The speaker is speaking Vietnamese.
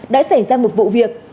đã xảy ra một vụ việc